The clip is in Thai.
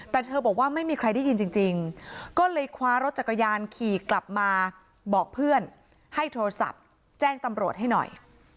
แต่เธอบอกว่าไม่มีใครได้ยินจริงก็เลยคว้ารถจักรยานขี่กลับมาบอกเพื่อนให้โทรศัพท์แจ้งตำรวจให้หน่อย